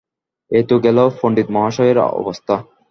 এই তো গেল পণ্ডিতমহাশয়ের অবস্থা।